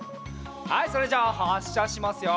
はいそれじゃあはっしゃしますよ。